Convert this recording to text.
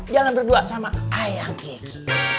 jalan berdua sama ayang kiki